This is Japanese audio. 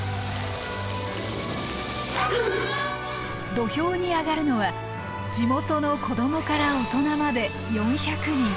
土俵に上がるのは地元の子どもから大人まで４００人。